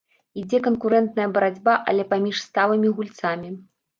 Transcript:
Ідзе канкурэнтная барацьба, але паміж сталымі гульцамі.